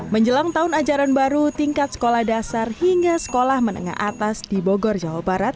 menjelang tahun ajaran baru tingkat sekolah dasar hingga sekolah menengah atas di bogor jawa barat